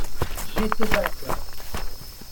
J'étais vainqueur !